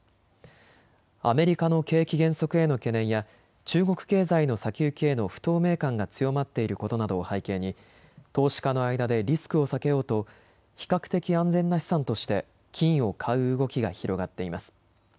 アメリカの景気減速への懸念や中国経済の先行きへの不透明感が強まっていることなどを背景に投資家の間でリスクを避けようと比較的、安全な資産として金を買う動きが広がっています。